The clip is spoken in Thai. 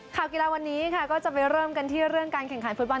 ข่าวกีฬาวันนี้ค่ะก็จะไปเริ่มกันที่เรื่องการแข่งขันฟุตบอล